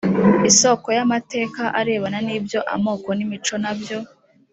isoko y amateka arebana n iby amoko n imico na byo